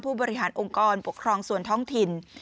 ผู้บริหารองค์กรปกครองส่วนท้องถิ่น